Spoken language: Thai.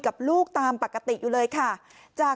กลุ่มตัวเชียงใหม่